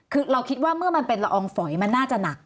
คือเราคิดว่าเมื่อมันเป็นละอองฝอยมันน่าจะหนัก